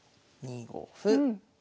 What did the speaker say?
２五歩。